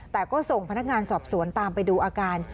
แต่ก็ส่งพนักงานสอบสวนตามไปดูอาการ